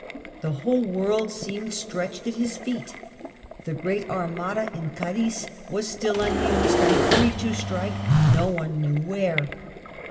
The whole world seemed stretched at his feet The great Armada in Cadiz was still unused, and free to strike no one knew where.